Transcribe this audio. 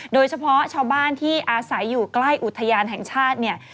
โดยเฉพาะชาวบ้านที่อาศัยอยู่ใกล้อุทยานแห่งชาติเนี่ย